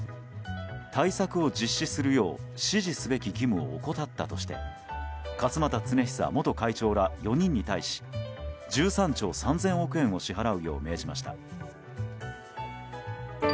対策を実施するよう指示すべき義務を怠ったとして勝俣恒久元会長ら４人に対し１３兆３０００億円を支払うよう命じました。